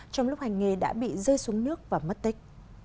trong lúc hành nghề đã bị rơi xuống nước và mất tích